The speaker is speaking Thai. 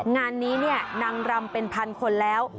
งานนี้นางรำเป็น๑๐๐๐คนแล้ว